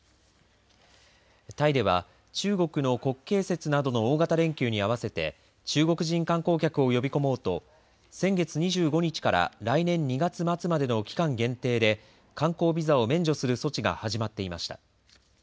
タイでは中国の国慶節などの大型連休に合わせて中国人観光客を呼び込もうと先月２５日から来年２月末までの期間限定で観光ビザを免除する措置が始まっていました。